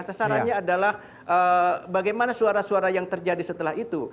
sasarannya adalah bagaimana suara suara yang terjadi setelah itu